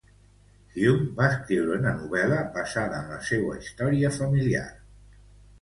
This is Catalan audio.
Hume va escriure una novel·la basada en la seua història familiar.